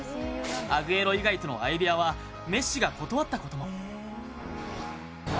アグエロ以外との相部屋はメッシが断ったことも。